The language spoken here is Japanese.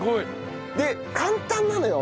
で簡単なのよ。